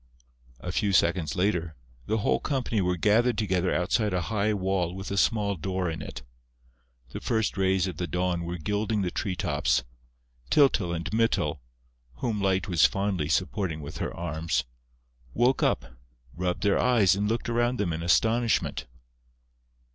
A few seconds later, the whole company were gathered together outside a high wall with a small door in it. The first rays of the dawn were gilding the tree tops. Tyltyl and Mytyl, whom Light was fondly supporting with her arms, woke up, rubbed their eyes and looked around them in astonishment.